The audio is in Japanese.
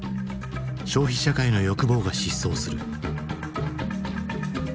消費社会の欲望が疾走する。